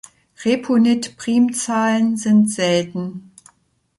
Repunit-Primzahlen sind selten.